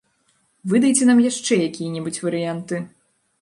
Выдайце нам яшчэ якія-небудзь варыянты!